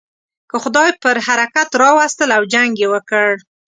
که خدای پر حرکت را وستل او جنګ یې وکړ.